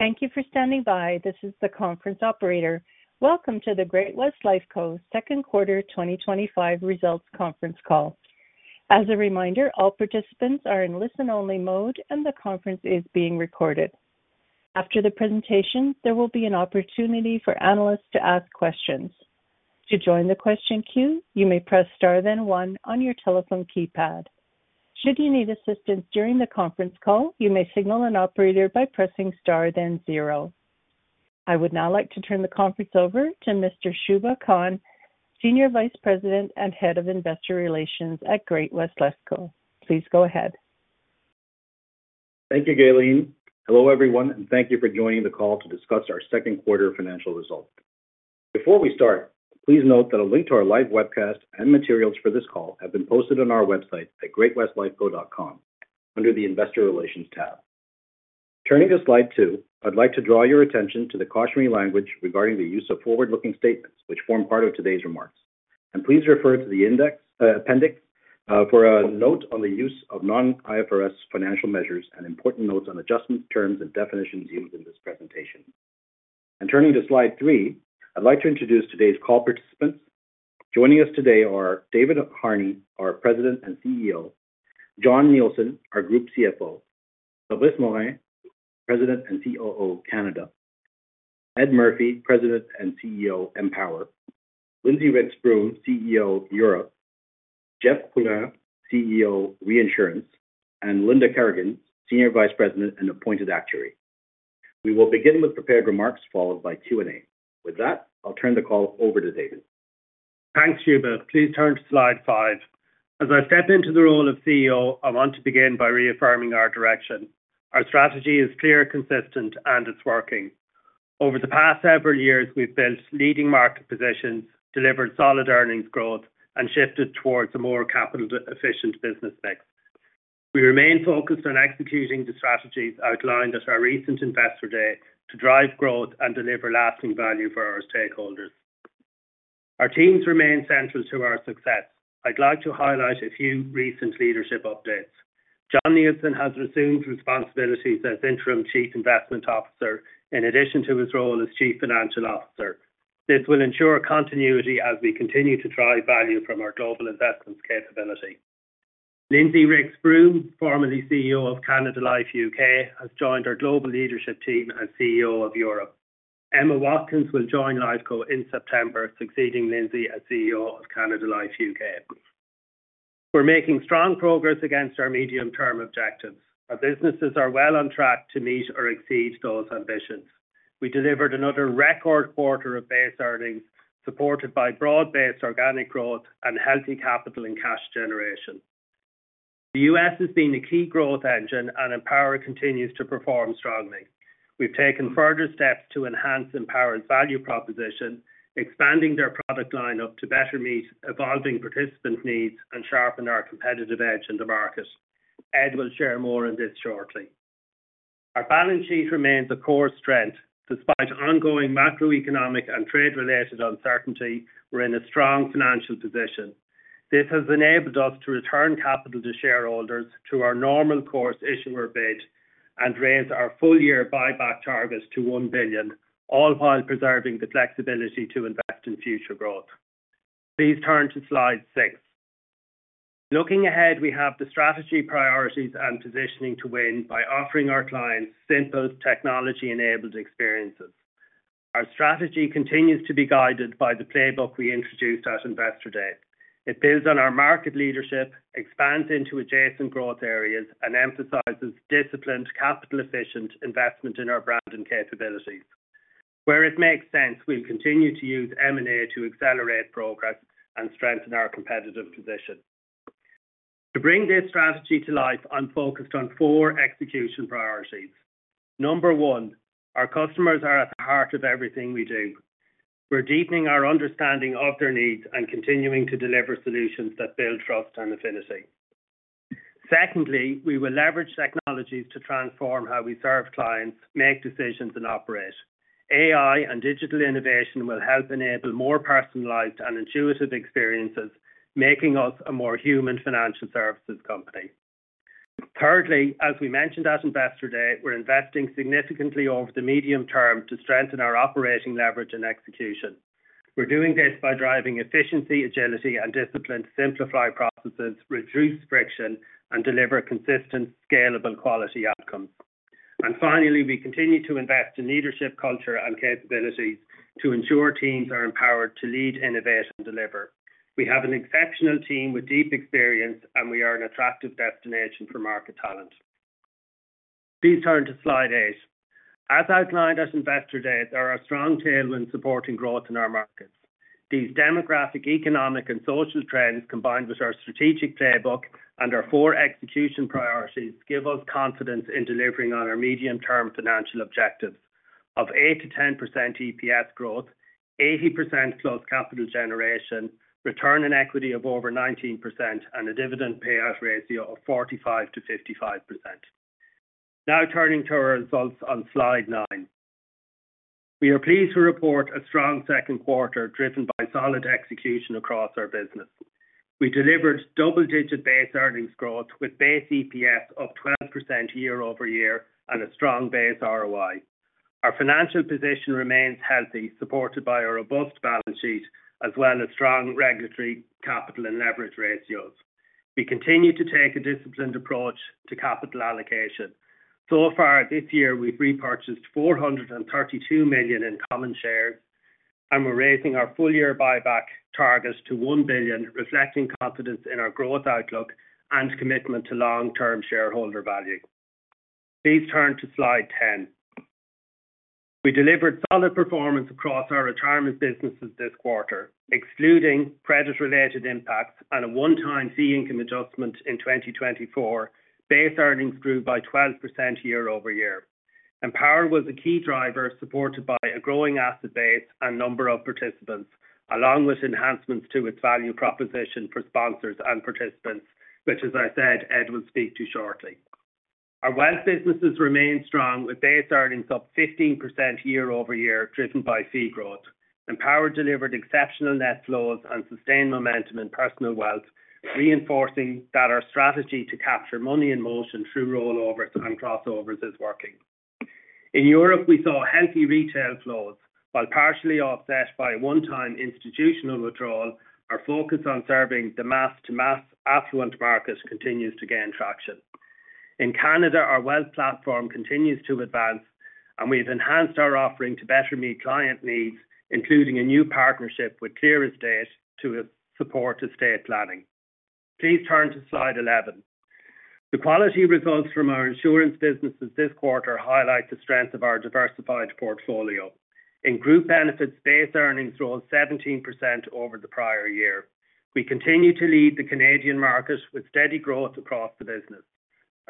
Thank you for standing by. This is the conference operator. Welcome to Great-West Lifeco's second quarter 2025 results conference call. As a reminder, all participants are in listen-only mode, and the conference is being recorded. After the presentation, there will be an opportunity for analysts to ask questions. To join the question queue, you may press star, then one on your telephone keypad. Should you need assistance during the conference call, you may signal an operator by pressing star, then zero. I would now like to turn the conference over to Mr. Shubha Khan, Senior Vice President and Head of Investor Relations at Great-West Lifeco. Please go ahead. Thank you, Eileen. Hello everyone, and thank you for joining the call to discuss our second quarter financial results. Before we start, please note that a link to our live webcast and materials for this call have been posted on our website at greatwestlifeco.com under the Investor Relations tab. Turning to slide two, I'd like to draw your attention to the cautionary language regarding the use of forward-looking statements, which form part of today's remarks. Please refer to the appendix for a note on the use of non-IFRS financial measures and important notes on adjustments, terms, and definitions used in this presentation. Turning to slide three, I'd like to introduce today's call participants. Joining us today are David Harney, our President and CEO, Jon Nielsen, our Group CFO, Fabrice Morin, President and COO, Canada, Ed Murphy, President and CEO Empower, Lindsey Rex-Bruun, CEO Europe, Jeff Poulin, CEO Reinsurance, and Linda Kerrigan, Senior Vice President and Appointed Actuary. We will begin with prepared remarks followed by Q&A. With that, I'll turn the call over to David. Thanks, Shubha. Please turn to slide five. As I step into the role of CEO, I want to begin by reaffirming our direction. Our strategy is clear, consistent, and it's working. Over the past several years, we've built a leading market position, delivered solid earnings growth, and shifted towards a more capital-efficient business mix. We remain focused on executing the strategies outlined at our recent Investor Day to drive growth and deliver lasting value for our stakeholders. Our teams remain central to our success. I'd like to highlight a few recent leadership updates. Jon Nielsen has resumed responsibilities as Interim Chief Investment Officer, in addition to his role as Chief Financial Officer. This will ensure continuity as we continue to drive value from our global investments capability. Lindsey Rix-Broom, formerly CEO of Canada Life U.K., has joined our global leadership team as CEO of Europe. Emma Watkins will join Lifeco in September, succeeding Lindsey as CEO of Canada Life U.K.. We're making strong progress against our medium-term objectives. Our businesses are well on track to meet or exceed those ambitions. We delivered another record quarter of base earnings, supported by broad-based organic growth and healthy capital and cash generation. The U.S. has been a key growth engine, and Empower continues to perform strongly. We've taken further steps to enhance Empower's value proposition, expanding their product lineup to better meet evolving participant needs and sharpen our competitive edge in the market. Ed will share more on this shortly. Our balance sheet remains a core strength. Despite ongoing macroeconomic and trade-related uncertainty, we're in a strong financial position. This has enabled us to return capital to shareholders through our normal course issuer bid and raise our full-year buyback target to $1 billion, all while preserving the flexibility to invest in future growth. Please turn to slide six. Looking ahead, we have the strategy, priorities, and positioning to win by offering our clients simple, technology-enabled experiences. Our strategy continues to be guided by the playbook we introduced at Investor Day. It builds on our market leadership, expands into adjacent growth areas, and emphasizes disciplined, capital-efficient investment in our brand and capabilities. Where it makes sense, we'll continue to use M&A to accelerate progress and strengthen our competitive position. To bring this strategy to life, I'm focused on four execution priorities. Number one, our customers are at the heart of everything we do. We're deepening our understanding of their needs and continuing to deliver solutions that build trust and affinity. Secondly, we will leverage technologies to transform how we serve clients, make decisions, and operate. AI and digital innovation will help enable more personalized and intuitive experiences, making us a more human financial services company. Thirdly, as we mentioned at Investor Day, we're investing significantly over the medium term to strengthen our operating leverage and execution. We're doing this by driving efficiency, agility, and discipline to simplify processes, reduce friction, and deliver consistent, scalable quality outcomes. Finally, we continue to invest in leadership culture and capabilities to ensure teams are empowered to lead, innovate, and deliver. We have an exceptional team with deep experience, and we are an attractive destination for market talent. Please turn to slide eight. As outlined at Investor Day, there are strong tailwinds supporting growth in our market. These demographic, economic, and social trends, combined with our strategic playbook and our four execution priorities, give us confidence in delivering on our medium-term financial objectives of 8%-10% EPS growth, 80% close capital generation, return on equity of over 19%, and a dividend payout ratio of 45%-55%. Now turning to our results on slide nine, we are pleased to report a strong second quarter driven by solid execution across our business. We delivered double-digit base earnings growth with base EPS of 12% year-over-year and a strong base ROI. Our financial position remains healthy, supported by a robust balance sheet as well as strong regulatory capital and leverage ratios. We continue to take a disciplined approach to capital allocation. So far this year, we've repurchased $432 million in common shares, and we're raising our full-year buyback targets to $1 billion, reflecting confidence in our growth outlook and commitment to long-term shareholder value. Please turn to slide 10. We delivered solid performance across our retirement businesses this quarter, excluding credit-related impacts and a one-time fee income adjustment in 2024. Base earnings grew by 12% year-over-year. Empower was a key driver, supported by a growing asset base and number of participants, along with enhancements to its value proposition for sponsors and participants, which, as I said, Ed will speak to shortly. Our wealth businesses remain strong, with base earnings up 15% year-over-year, driven by fee growth. Empower delivered exceptional net flows and sustained momentum in personal wealth, reinforcing that our strategy to capture money in motion through rollovers and crossovers is working. In Europe, we saw healthy retail flows. While partially offset by one-time institutional withdrawal, our focus on serving the mass-to-mass affluent markets continues to gain traction. In Canada, our wealth platform continues to advance, and we've enhanced our offering to better meet client needs, including a new partnership with ClearEstate to support estate planning. Please turn to slide 11. The quality results from our insurance businesses this quarter highlight the strength of our diversified portfolio. In group benefits, base earnings rose 17% over the prior year. We continue to lead the Canadian market with steady growth across the business.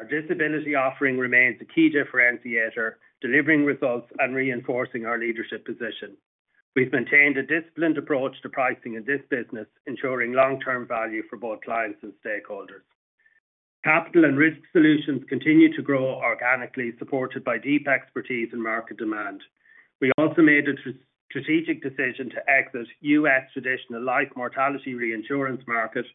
Our disability offering remains a key differentiator, delivering results and reinforcing our leadership position. We've maintained a disciplined approach to pricing in this business, ensuring long-term value for both clients and stakeholders. Capital and risk solutions continue to grow organically, supported by deep expertise and market demand. We also made a strategic decision to exit the U.S. traditional life mortality reinsurance market,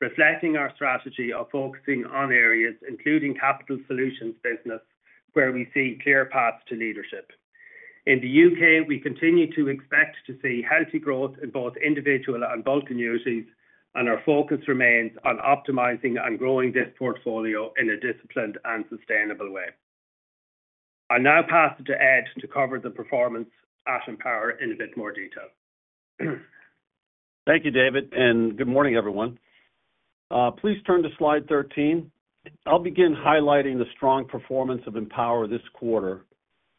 reflecting our strategy of focusing on areas including capital solutions business, where we see clear paths to leadership. In the U.K., we continue to expect to see healthy growth in both individual and bulk annuities, and our focus remains on optimizing and growing this portfolio in a disciplined and sustainable way. I'll now pass it to Ed to cover the performance at Empower in a bit more detail. Thank you, David, and good morning, everyone. Please turn to slide 13. I'll begin highlighting the strong performance of Empower this quarter,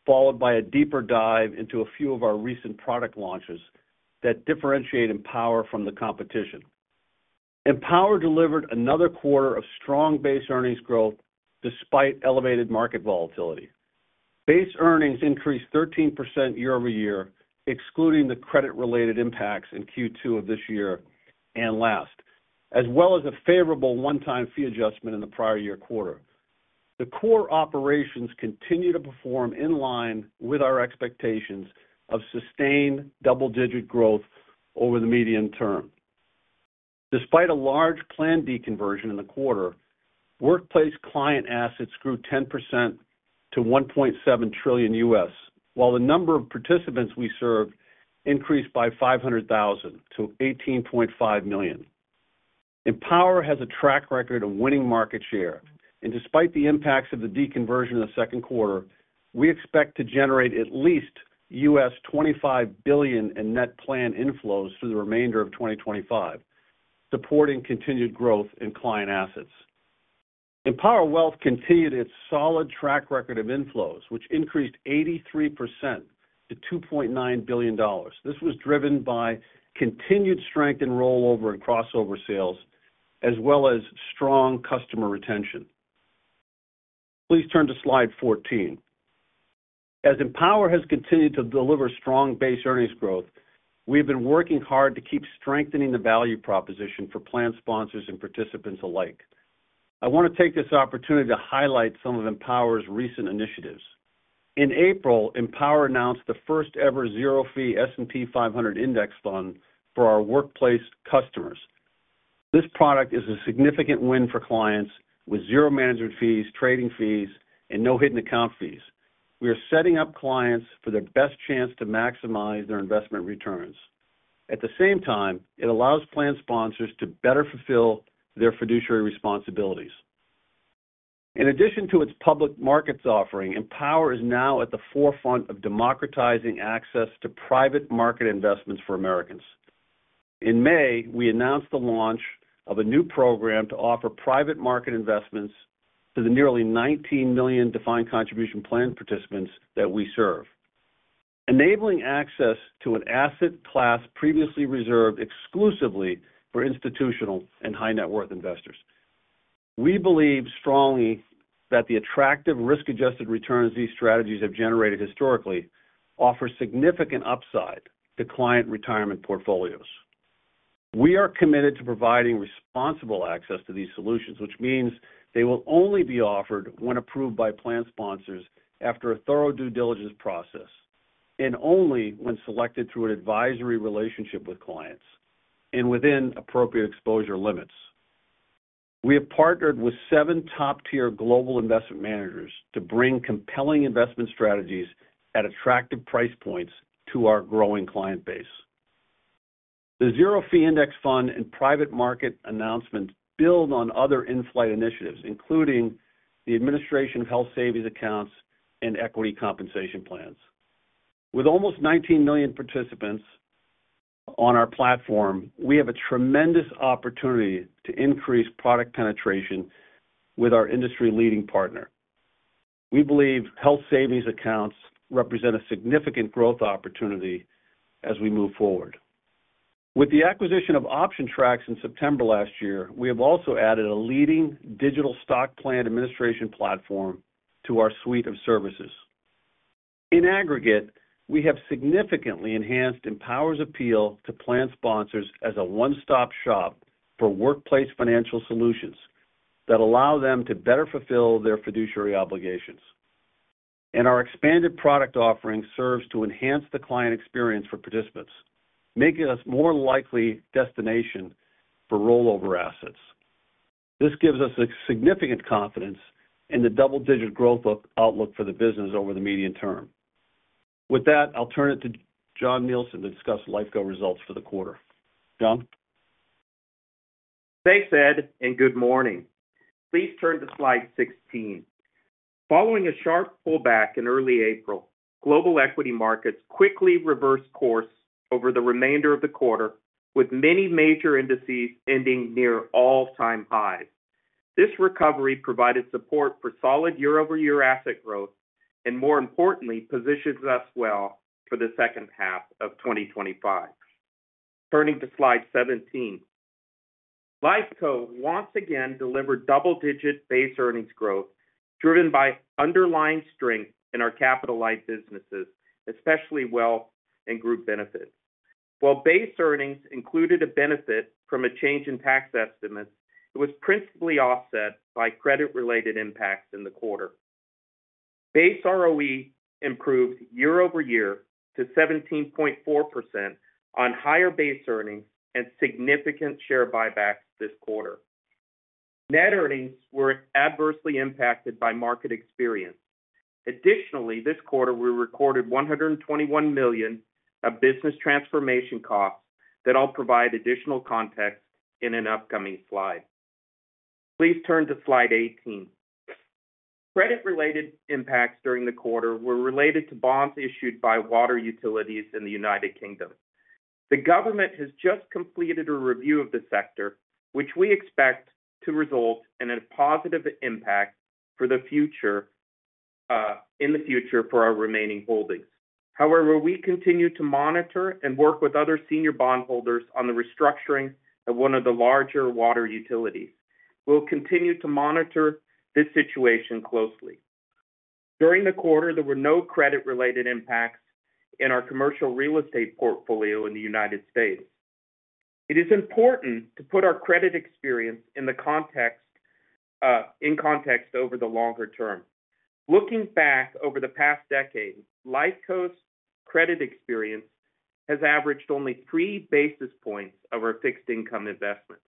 followed by a deeper dive into a few of our recent product launches that differentiate Empower from the competition. Empower delivered another quarter of strong base earnings growth despite elevated market volatility. Base earnings increased 13% year-over-year, excluding the credit-related impacts in Q2 of this year and last, as well as a favorable one-time fee adjustment in the prior year quarter. The core operations continue to perform in line with our expectations of sustained double-digit growth over the medium term. Despite a large Plan D conversion in the quarter, workplace client assets grew 10% to $1.7 trillion U.S., while the number of participants we served increased by 500,000 to 18.5 million. Empower has a track record of winning market share, and despite the impacts of the deconversion in the second quarter, we expect to generate at least $25 billion in net plan inflows through the remainder of 2025, supporting continued growth in client assets. Empower Wealth continued its solid track record of inflows, which increased 83% to $2.9 billion. This was driven by continued strength in rollover and crossover sales, as well as strong customer retention. Please turn to slide 14. As Empower has continued to deliver strong base earnings growth, we have been working hard to keep strengthening the value proposition for plan sponsors and participants alike. I want to take this opportunity to highlight some of Empower's recent initiatives. In April, Empower announced the first-ever zero-fee S&P 500 Index Fund for our workplace customers. This product is a significant win for clients with zero management fees, trading fees, and no hidden account fees. We are setting up clients for their best chance to maximize their investment returns. At the same time, it allows plan sponsors to better fulfill their fiduciary responsibilities. In addition to its public markets offering, Empower is now at the forefront of democratizing access to private market investments for Americans. In May, we announced the launch of a new program to offer private market investments to the nearly 19 million defined contribution plan participants that we serve, enabling access to an asset class previously reserved exclusively for institutional and high net worth investors. We believe strongly that the attractive risk-adjusted returns these strategies have generated historically offer significant upside to client retirement portfolios. We are committed to providing responsible access to these solutions, which means they will only be offered when approved by plan sponsors after a thorough due diligence process and only when selected through an advisory relationship with clients and within appropriate exposure limits. We have partnered with seven top-tier global investment managers to bring compelling investment strategies at attractive price points to our growing client base. The zero-fee index fund and private market announcements build on other in-flight initiatives, including the administration of health savings accounts and equity compensation plans. With almost 19 million participants on our platform, we have a tremendous opportunity to increase product penetration with our industry-leading partner. We believe health savings accounts represent a significant growth opportunity as we move forward. With the acquisition of OptionTrax in September last year, we have also added a leading digital stock plan administration platform to our suite of services. In aggregate, we have significantly enhanced Empower's appeal to plan sponsors as a one-stop shop for workplace financial solutions that allow them to better fulfill their fiduciary obligations. Our expanded product offering serves to enhance the client experience for participants, making us a more likely destination for rollover assets. This gives us significant confidence in the double-digit growth outlook for the business over the median term. With that, I'll turn it to Jon Nielsen to discuss Lifeco results for the quarter. Jon? Thanks, Ed, and good morning. Please turn to slide 16. Following a sharp pullback in early April, global equity markets quickly reversed course over the remainder of the quarter, with many major indices ending near all-time highs. This recovery provided support for solid year-over-year asset growth and, more importantly, positions us well for the second half of 2025. Turning to slide 17, Lifeco once again delivered double-digit base earnings growth, driven by underlying strength in our capitalized businesses, especially wealth and group benefits. While base earnings included a benefit from a change in tax estimates, it was principally offset by credit-related impacts in the quarter. Base ROE improved year-over-year to 17.4% on higher base earnings and significant share buybacks this quarter. Net earnings were adversely impacted by market experience. Additionally, this quarter we recorded $121 million of business transformation costs that I'll provide additional context in an upcoming slide. Please turn to slide 18. Credit-related impacts during the quarter were related to bonds issued by water utilities in the United Kingdom. The government has just completed a review of the sector, which we expect to result in a positive impact in the future for our remaining holdings. However, we continue to monitor and work with other senior bondholders on the restructuring of one of the larger water utilities. We'll continue to monitor this situation closely. During the quarter, there were no credit-related impacts in our commercial real estate portfolio in the United States.. It is important to put our credit experience in context over the longer term. Looking back over the past decade, Lifeco's credit experience has averaged only 3 basis points over fixed income investments.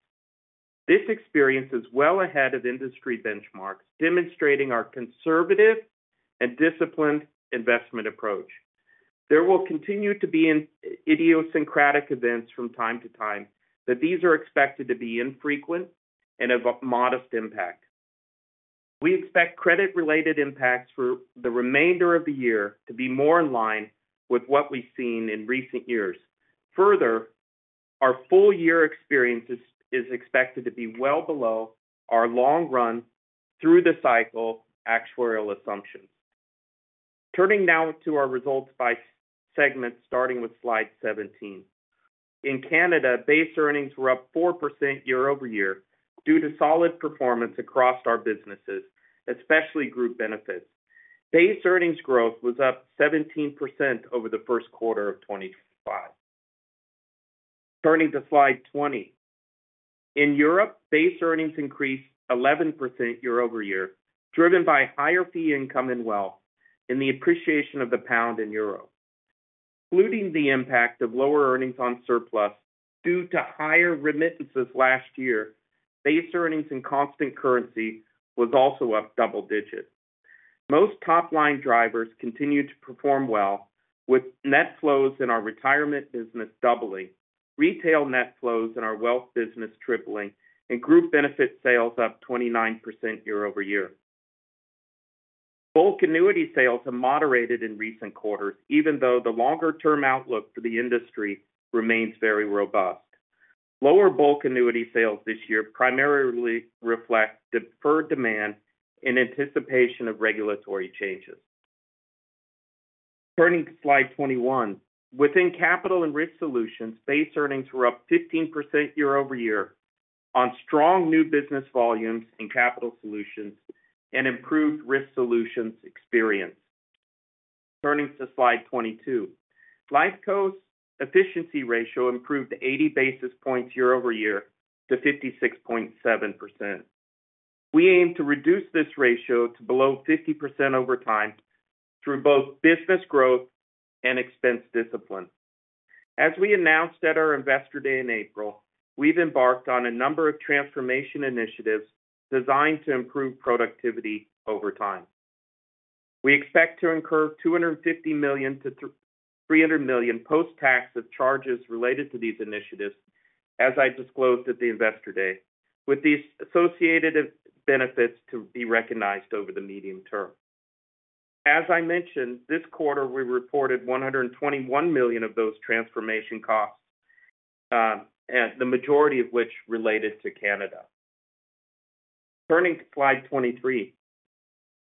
This experience is well ahead of industry benchmarks, demonstrating our conservative and disciplined investment approach. There will continue to be idiosyncratic events from time to time, but these are expected to be infrequent and of a modest impact. We expect credit-related impacts for the remainder of the year to be more in line with what we've seen in recent years. Further, our full-year experience is expected to be well below our long run through the cycle actuarial assumption. Turning now to our results by segment, starting with slide 17. In Canada, base earnings were up 4% year-over-year due to solid performance across our businesses, especially group benefits. Base earnings growth was up 17% over the first quarter of 2025. Turning to slide 20. In Europe, base earnings increased 11% year-over-year, driven by higher fee income and wealth and the appreciation of the pound in Europe, including the impact of lower earnings on surplus due to higher remittances last year. Base earnings in constant currency were also up double digits. Most top-line drivers continued to perform well, with net flows in our retirement business doubling, retail net flows in our wealth business tripling, and group benefit sales up 29% year-over-year. Bulk annuity sales have moderated in recent quarters, even though the longer-term outlook for the industry remains very robust. Lower bulk annuity sales this year primarily reflect deferred demand in anticipation of regulatory changes. Turning to slide 21. Within capital and risk solutions, base earnings were up 15% year-over-year on strong new business volumes in capital solutions and improved risk solutions experience. Turning to slide 22. Lifeco's efficiency ratio improved 80 basis points year-over-year to 56.7%. We aim to reduce this ratio to below 50% over time through both business growth and expense discipline. As we announced at our Investor Day in April, we've embarked on a number of transformation initiatives designed to improve productivity over time. We expect to incur $250 million-$300 million post-tax of charges related to these initiatives, as I disclosed at the Investor Day, with these associated benefits to be recognized over the medium term. As I mentioned, this quarter we reported $121 million of those transformation costs, the majority of which related to Canada. Turning to slide 23.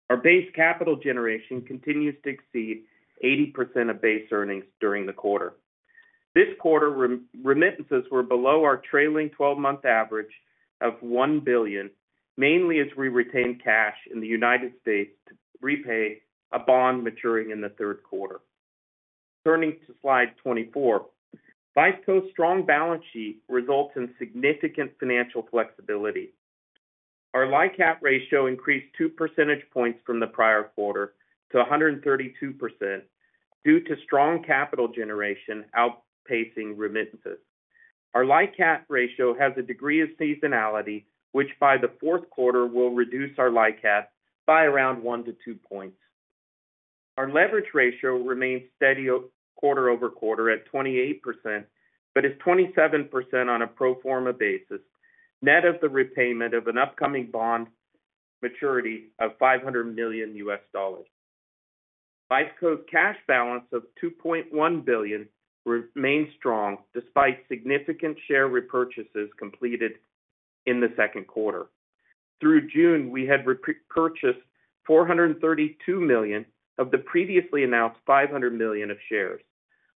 Our base capital generation continues to exceed 80% of base earnings during the quarter. This quarter, remittances were below our trailing 12-month average of $1 billion, mainly as we retained cash in the United States to repay a bond maturing in the third quarter. Turning to slide 24. Lifeco's strong balance sheet results in significant financial flexibility. Our LICAT ratio increased two percentage points from the prior quarter to 132% due to strong capital generation outpacing remittances. Our LICAT ratio has a degree of seasonality, which by the fourth quarter will reduce our LICAT by around 1%-2%. Our leverage ratio remains steady quarter over quarter at 28%, but is 27% on a pro forma basis, net of the repayment of an upcoming bond maturity of $500 million. Lifeco's cash balance of $2.1 billion remains strong despite significant share repurchases completed in the second quarter. Through June, we had repurchased $432 million of the previously announced $500 million of shares.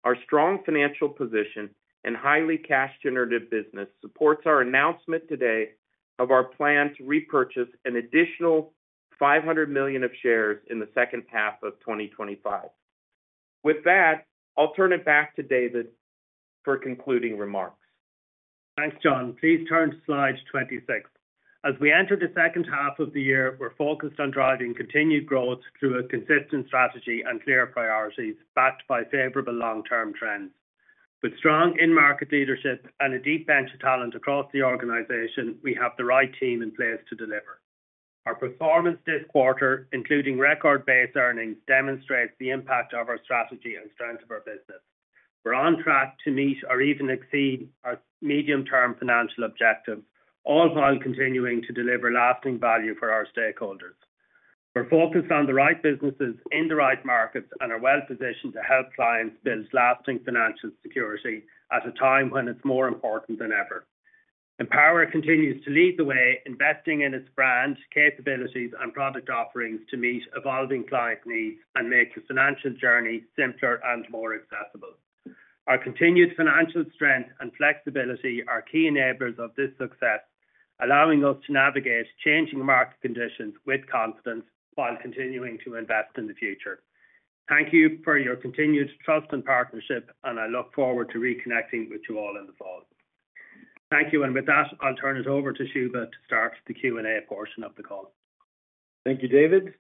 Our strong financial position and highly cash-generative business support our announcement today of our plan to repurchase an additional $500 million of shares in the second half of 2025. With that, I'll turn it back to David for concluding remarks. Thanks, Jon. Please turn to slide 26. As we enter the second half of the year, we're focused on driving continued growth through a consistent strategy and clear priorities, backed by favorable long-term trends. With strong in-market leadership and a deep bench of talent across the organization, we have the right team in place to deliver. Our performance this quarter, including record base earnings, demonstrates the impact of our strategy and strength of our business. We're on track to meet or even exceed our medium-term financial objective, all while continuing to deliver lasting value for our stakeholders. We're focused on the right businesses in the right markets and are well positioned to help clients build lasting financial security at a time when it's more important than ever. Empower continues to lead the way, investing in its brand, capabilities, and product offerings to meet evolving client needs and make its financial journey simpler and more accessible. Our continued financial strength and flexibility are key enablers of this success, allowing us to navigate changing market conditions with confidence while continuing to invest in the future. Thank you for your continued trust and partnership, and I look forward to reconnecting with you all in the fall. Thank you, and with that, I'll turn it over to Shubha to start the Q&A portion of the call. Thank you, David.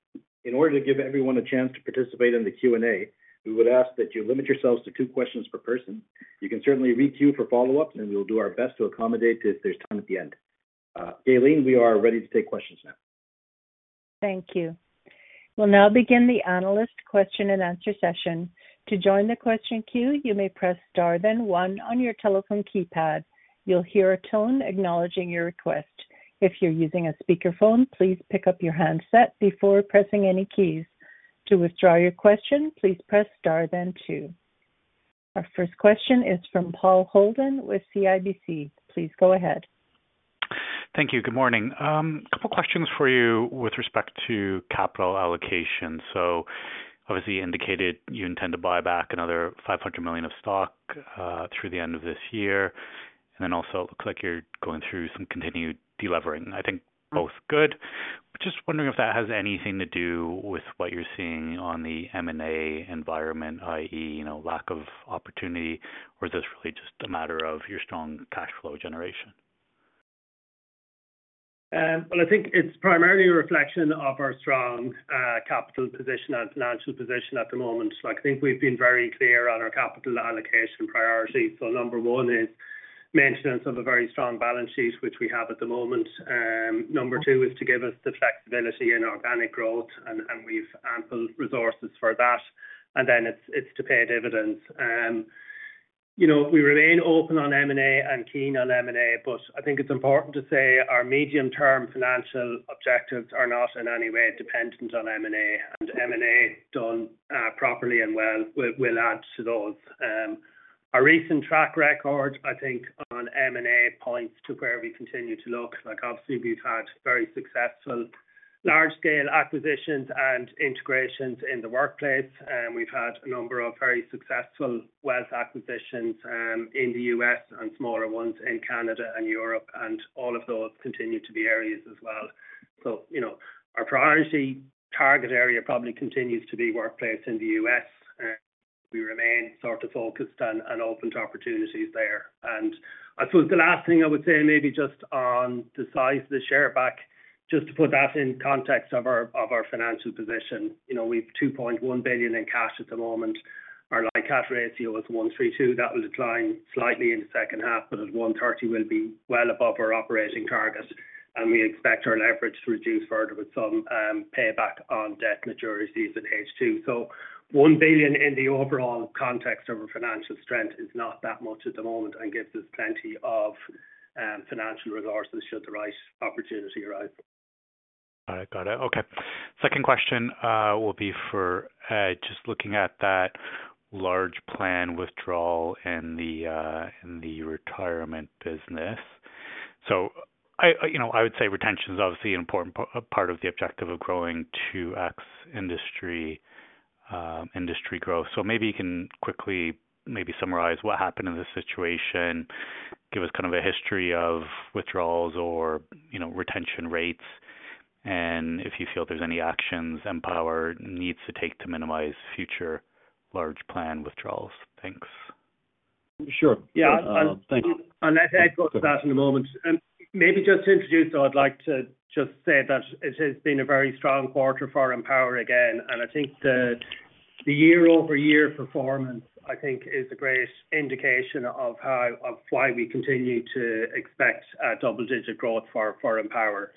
In order to give everyone a chance to participate in the Q&A, we would ask that you limit yourselves to two questions per person. You can certainly re-queue for follow-up, and we'll do our best to accommodate this if there's time at the end. Gaylene, we are ready to take questions now. Thank you. We'll now begin the analyst question and answer session. To join the question queue, you may press star then one on your telephone keypad. You'll hear a tone acknowledging your request. If you're using a speakerphone, please pick up your handset before pressing any keys. To withdraw your question, please press star then two. Our first question is from Paul Holden with CIBC. Please go ahead. Thank you. Good morning. A couple of questions for you with respect to capital allocation. Obviously, you indicated you intend to buy back another $500 million of stock through the end of this year. It looks like you're going through some continued delevering. I think both good. I'm just wondering if that has anything to do with what you're seeing on the M&A environment, i.e., you know, lack of opportunity, or is this really just a matter of your strong cash flow generation? I think it's primarily a reflection of our strong capital position and financial position at the moment. I think we've been very clear on our capital allocation priority. Number one is maintenance of a very strong balance sheet, which we have at the moment. Number two is to give us the flexibility in organic growth, and we've ample resources for that. Then it's to pay dividends. We remain open on M&A and keen on M&A, but I think it's important to say our medium-term financial objectives are not in any way dependent on M&A. M&A done properly and well will add to those. Our recent track record, I think, on M&A points to where we continue to look. Obviously, we've had very successful large-scale acquisitions and integrations in the workplace. We've had a number of very successful wealth acquisitions in the U.S. and smaller ones in Canada and Europe, and all of those continue to be areas as well. Our priority target area probably continues to be workplace in the U.S. We remain sort of focused and open to opportunities there. I suppose the last thing I would say, maybe just on the size of the share buyback, just to put that in context of our financial position, we've $2.1 billion in cash at the moment. Our LICAT ratio is 1.32. That will decline slightly in the second half, but at 1.30, we'll be well above our operating target. We expect our leverage to reduce further with some payback on debt maturities at H2. $1 billion in the overall context of our financial strength is not that much at the moment and gives us plenty of financial resources should the right opportunity arise. Got it. Okay. Second question will be for Ed, just looking at that large plan withdrawal in the retirement business. I would say retention is obviously an important part of the objective of growing 2x industry growth. Maybe you can quickly summarize what happened in this situation, give us kind of a history of withdrawals or retention rates, and if you feel there's any actions Empower needs to take to minimize future large plan withdrawals. Thanks. Sure. I'll let Ed go to that in a moment. Maybe just to introduce, I'd like to just say that it has been a very strong quarter for Empower again. I think the year-over-year performance is the greatest indication of why we continue to expect double-digit growth for Empower.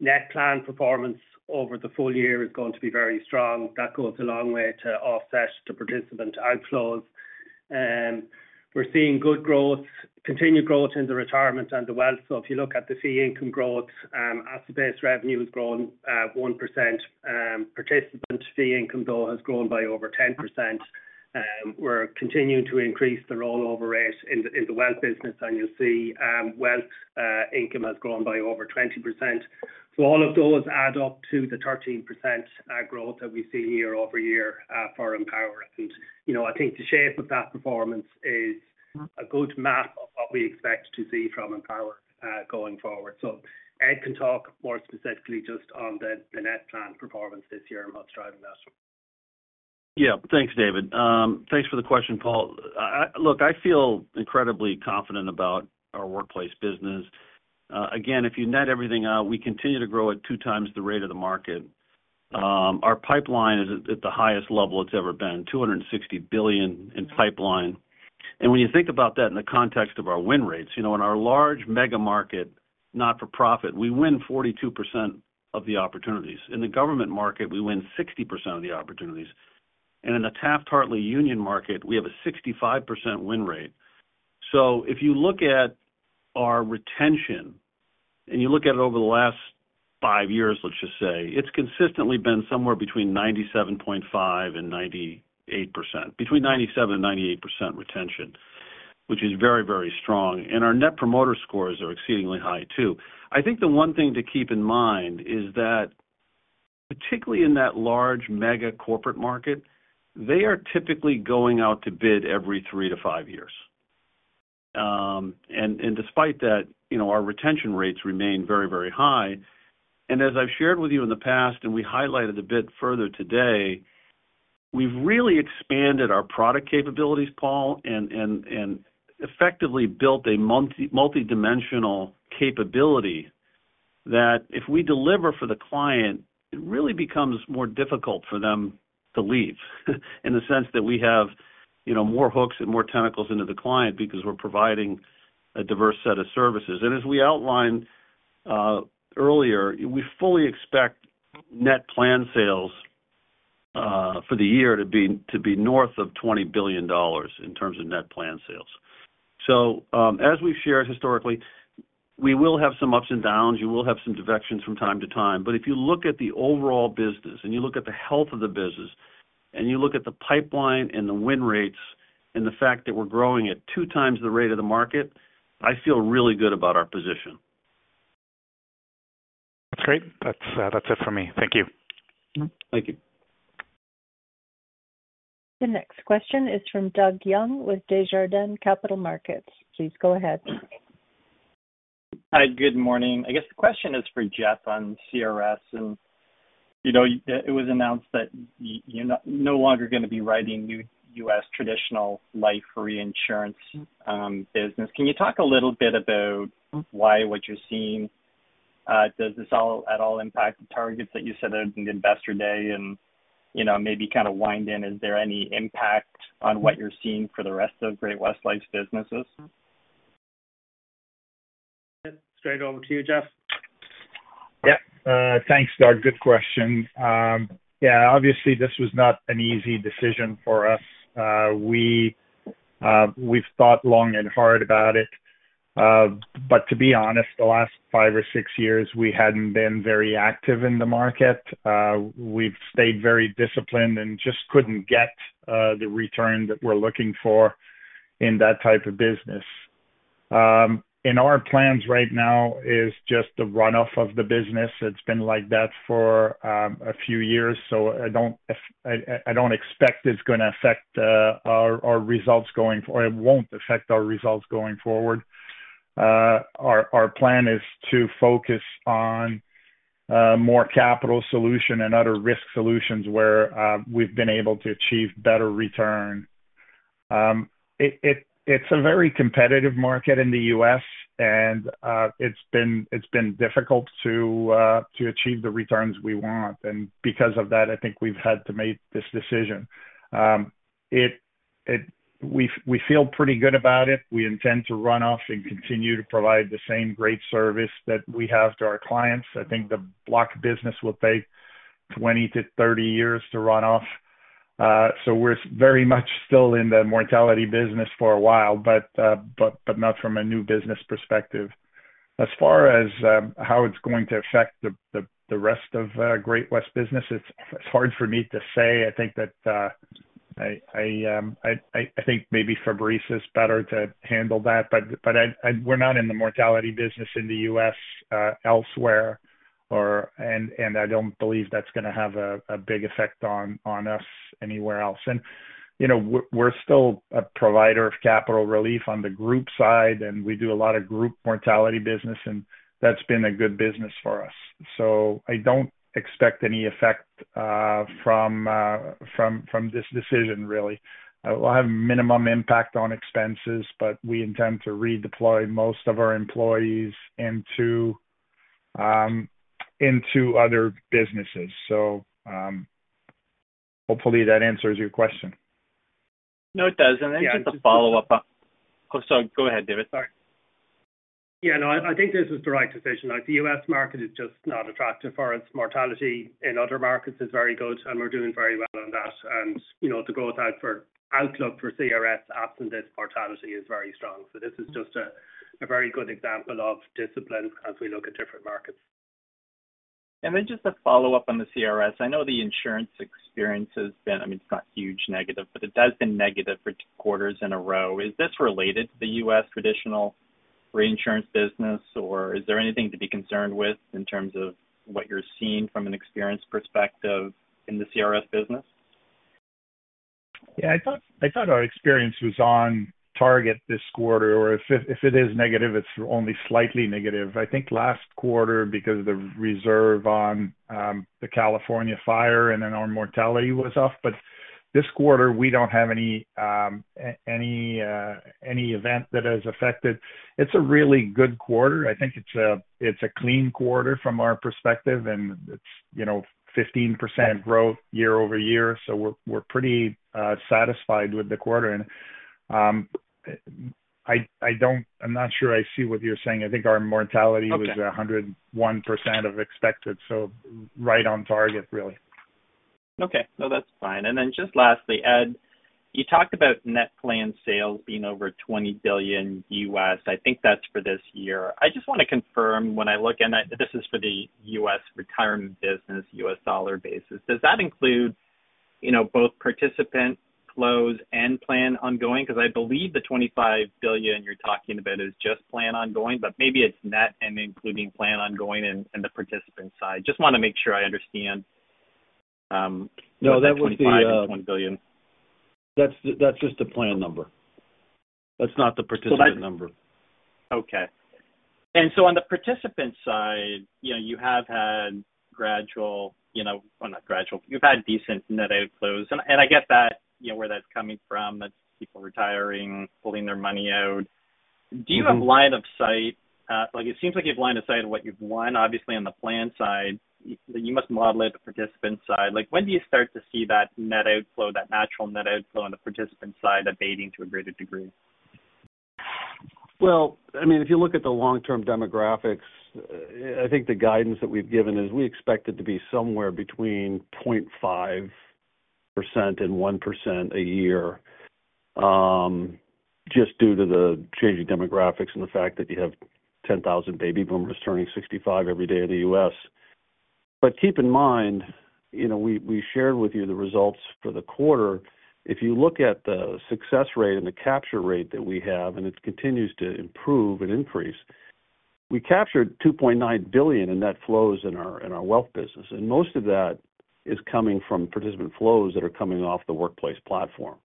Net plan performance over the full year is going to be very strong. That goes a long way to offset the participant outflows. We're seeing good growth, continued growth in the retirement and the wealth. If you look at the fee income growth, asset-based revenue has grown 1%. Participant fee income, though, has grown by over 10%. We're continuing to increase the rollover rate in the wealth business, and you'll see wealth income has grown by over 20%. All of those add up to the 13% growth that we see year-over-year for Empower. I think the shape of that performance is a good map of what we expect to see from Empower going forward. Ed can talk more specifically just on the net plan performance this year and what's driving that. Yeah. Thanks, David. Thanks for the question, Paul. Look, I feel incredibly confident about our workplace business. If you net everything out, we continue to grow at two times the rate of the market. Our pipeline is at the highest level it's ever been, $260 billion in pipeline. When you think about that in the context of our win rates, in our large mega market, not-for-profit, we win 42% of the opportunities. In the government market, we win 60% of the opportunities. In the Taft-Hartley union market, we have a 65% win rate. If you look at our retention and you look at it over the last five years, let's just say, it's consistently been somewhere between 97.5% and 98%, between 97% and 98% retention, which is very, very strong. Our net promoter scores are exceedingly high too. I think the one thing to keep in mind is that, particularly in that large mega corporate market, they are typically going out to bid every three to five years. Despite that, our retention rates remain very, very high. As I've shared with you in the past, and we highlighted a bit further today, we've really expanded our product capabilities, Paul, and effectively built a multi-dimensional capability that if we deliver for the client, it really becomes more difficult for them to leave in the sense that we have more hooks and more tentacles into the client because we're providing a diverse set of services. As we outlined earlier, we fully expect net plan sales for the year to be north of $20 billion in terms of net plan sales. As we've shared historically, we will have some ups and downs. You will have some defections from time to time. If you look at the overall business and you look at the health of the business and you look at the pipeline and the win rates and the fact that we're growing at two times the rate of the market, I feel really good about our position. That's great. That's it for me. Thank you. Thank you. The next question is from Doug Young with Desjardins Capital Markets. Please go ahead. Hi. Good morning. I guess the question is for Jeff on CRS. It was announced that you're no longer going to be writing new U.S. traditional life reinsurance business. Can you talk a little bit about why, what you're seeing? Does this at all impact the targets that you set at Investor Day? Maybe kind of wind in, is there any impact on what you're seeing for the rest of Great-West Lifeco's businesses? Straight over to you, Jeff. Yeah. Thanks, Doug. Good question. Yeah, obviously, this was not an easy decision for us. We've thought long and hard about it. To be honest, the last five or six years, we hadn't been very active in the market. We've stayed very disciplined and just couldn't get the return that we're looking for in that type of business. In our plans right now is just the runoff of the business. It's been like that for a few years. I don't expect it's going to affect our results going forward. It won't affect our results going forward. Our plan is to focus on more capital solutions and other risk solutions where we've been able to achieve better returns. It's a very competitive market in the U.S., and it's been difficult to achieve the returns we want. Because of that, I think we've had to make this decision. We feel pretty good about it. We intend to run off and continue to provide the same great service that we have to our clients. I think the block business will take 20-30 years to run off. We're very much still in the mortality business for a while, but not from a new business perspective. As far as how it's going to affect the rest of Great-West Lifeco business, it's hard for me to say. I think maybe Fabrice is better to handle that. We're not in the mortality business in the U.S. elsewhere, and I don't believe that's going to have a big effect on us anywhere else. You know, we're still a provider of capital relief on the group side, and we do a lot of group mortality business, and that's been a good business for us. I don't expect any effect from this decision, really. It will have minimum impact on expenses, but we intend to redeploy most of our employees into other businesses. Hopefully, that answers your question. No, it does. Just a follow-up. Go ahead, David. Sorry. Yeah, no, I think this is the right decision. The U.S. market is just not attractive for us. Mortality in other markets is very good, and we're doing very well on that. The growth outlook for CRS after this mortality is very strong. This is just a very good example of discipline as we look at different markets. Just a follow-up on the CRS. I know the insurance experience has been, I mean, it's not huge negative, but it has been negative for two quarters in a row. Is this related to the U.S. traditional reinsurance business, or is there anything to be concerned with in terms of what you're seeing from an experience perspective in the CRS business? Yeah. I thought our experience was on target this quarter, or if it is negative, it's only slightly negative. I think last quarter, because of the reserve on the California fire and then our mortality was off. This quarter, we don't have any event that has affected. It's a really good quarter. I think it's a clean quarter from our perspective, and it's, you know, 15% growth year-over-year. We're pretty satisfied with the quarter. I'm not sure I see what you're saying. I think our mortality was 101% of expected. Right on target, really. Okay. No, that's fine. Lastly, Ed, you talked about net plan sales being over $20 billion U.S. I think that's for this year. I just want to confirm when I look, and this is for the U.S. retirement business, U.S. dollar basis. Does that include both participant flows and plan ongoing? I believe the $25 billion you're talking about is just plan ongoing, but maybe it's net and including plan ongoing and the participant side. I just want to make sure I understand. Was that $25 billion and $20 billion? No, that would be just the plan number. That's not the participant number. Okay. On the participant side, you have had gradual, you know, well, not gradual, you've had decent net outflows. I get that, you know, where that's coming from, that people retiring, pulling their money out. Do you have line of sight? It seems like you have line of sight of what you've won. Obviously, on the plan side, you must model it the participant side. When do you start to see that net outflow, that natural net outflow on the participant side abating to a greater degree? If you look at the long-term demographics, I think the guidance that we've given is we expect it to be somewhere between 0.5% and 1% a year, just due to the changing demographics and the fact that you have 10,000 baby boomers turning 65 every day in the U.S. Keep in mind, you know, we shared with you the results for the quarter. If you look at the success rate and the capture rate that we have, and it continues to improve and increase, we captured $2.9 billion in net flows in our wealth business. Most of that is coming from participant flows that are coming off the workplace platform.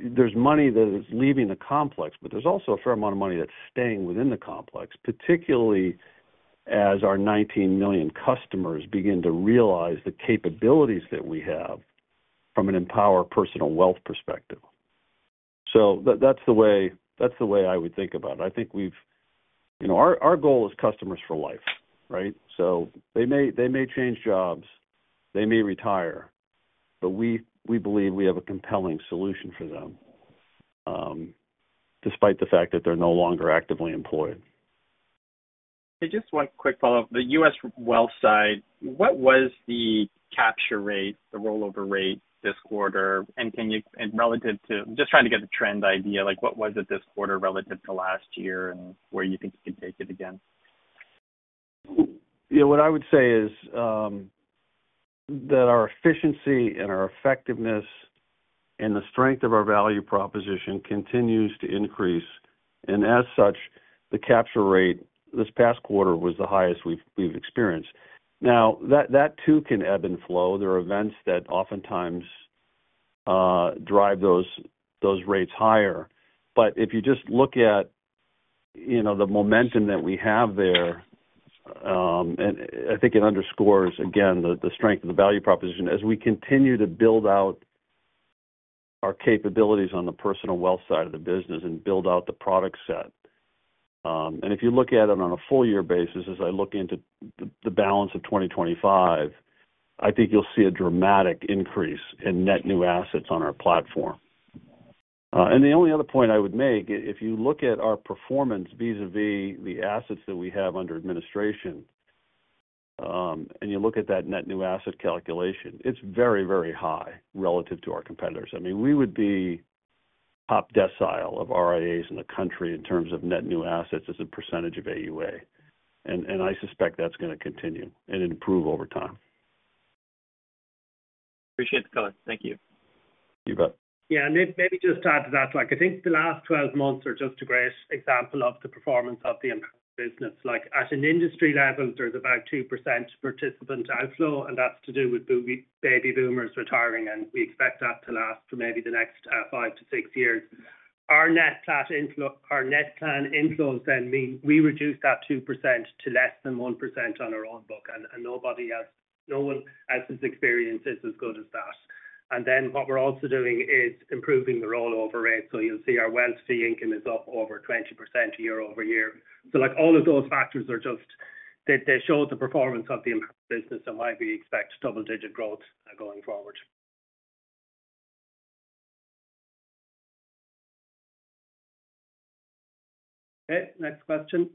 There's money that is leaving the complex, but there's also a fair amount of money that's staying within the complex, particularly as our 19 million customers begin to realize the capabilities that we have from an Empower personal wealth perspective. That's the way I would think about it. I think we've, you know, our goal is customers for life, right? They may change jobs, they may retire, but we believe we have a compelling solution for them, despite the fact that they're no longer actively employed. Hey, just one quick follow-up. The U.S. wealth side, what was the capture rate, the rollover rate this quarter? Can you, relative to, I'm just trying to get the trend idea, what was it this quarter relative to last year and where you think you can take it again? What I would say is that our efficiency and our effectiveness and the strength of our value proposition continues to increase. As such, the capture rate this past quarter was the highest we've experienced. That too can ebb and flow. There are events that oftentimes drive those rates higher. If you just look at the momentum that we have there, I think it underscores, again, the strength of the value proposition as we continue to build out our capabilities on the personal wealth side of the business and build out the product set. If you look at it on a full-year basis, as I look into the balance of 2025, I think you'll see a dramatic increase in net new assets on our platform. The only other point I would make, if you look at our performance vis-à-vis the assets that we have under administration and you look at that net new asset calculation, it's very, very high relative to our competitors. We would be top decile of RIAs in the country in terms of net new assets as a percentage of AUA. I suspect that's going to continue and improve over time. Appreciate the call. Thank you. You bet. Yeah, and maybe just add to that, I think the last 12 months are just a great example of the performance of the business. At an industry level, there's about 2% participant outflow, and that's to do with baby boomers retiring, and we expect that to last for maybe the next five to six years. Our net plan inflows then mean we reduce that 2% to less than 1% on our own book, and no one else's experience is as good as that. What we're also doing is improving the rollover rate. You'll see our wealth fee income is up over 20% year-over-year. All of those factors show the performance of the business and why we expect double-digit growth going forward. Okay, next question.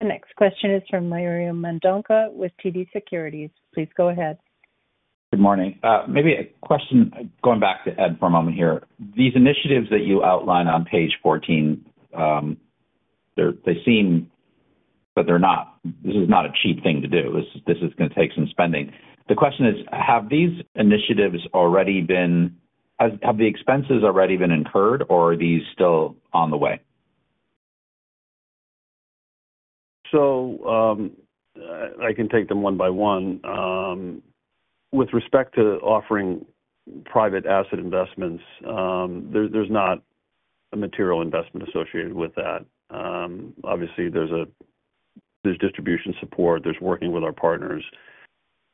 The next question is from Mario Mendonca with TD Securities. Please go ahead. Good morning. Maybe a question going back to Ed for a moment here. These initiatives that you outline on page 14, they seem, but they're not. This is not a cheap thing to do. This is going to take some spending. The question is, have these initiatives already been, have the expenses already been incurred, or are these still on the way? I can take them one by one. With respect to offering private asset investments, there's not a material investment associated with that. Obviously, there's distribution support. There's working with our partners.